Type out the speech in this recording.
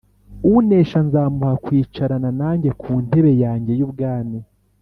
Unesha nzamuha kwicarana nanjye ku ntebe yanjye y’ubwami,